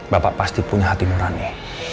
bapak pasti punya hati nurani